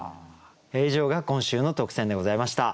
以上が今週の特選でございました。